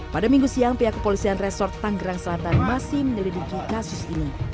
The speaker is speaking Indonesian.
pada minggu siang pihak kepolisian resort tanggerang selatan masih menyelidiki kasus ini